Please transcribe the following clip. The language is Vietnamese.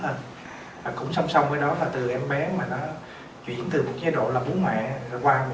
hơn và cũng song song với đó là từ em bé mà nó chuyển từ một chế độ là bố mẹ rồi qua một chế độ